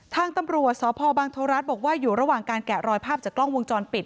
ทางตำรวจสพบังโทรรัฐบอกว่าอยู่ระหว่างการแกะรอยภาพจากกล้องวงจรปิด